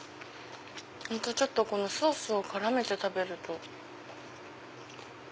またちょっとこのソースを絡めて食べると。